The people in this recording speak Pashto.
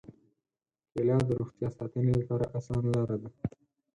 کېله د روغتیا ساتنې لپاره اسانه لاره ده.